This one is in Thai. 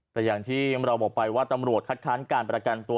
แต่อย่างที่เราบอกไปว่าตำรวจคัดค้านการประกันตัว